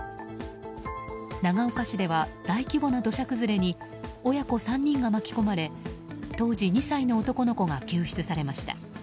長岡市では大規模な土砂崩れに親子３人が巻き込まれ当時２歳の男の子が救出されました。